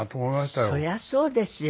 そりゃそうですよ。